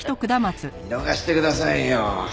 見逃してくださいよ。